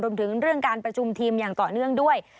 รวมถึงเรื่องการประชุมทีมอย่างต่อเนื่องด้วย